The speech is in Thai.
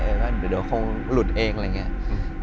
ว่าเดี๋ยวคงหลุดเองอะไรอย่างนี้